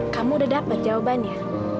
kamu udah dapet jawabannya